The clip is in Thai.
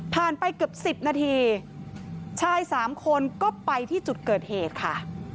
ผ่านไปเกือบสิบนาทีชายสามคนก็ไปที่จุดเกิดเหตุค่ะ